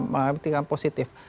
mengalami peningkatan positif